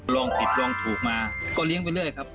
ลองผิดลองถูกมาก็เลี้ยงไปเรื่อยครับ